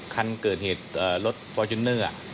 คันเกิดเหตุรถฟอร์จูเนอร์